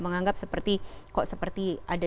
menganggap seperti kok seperti ada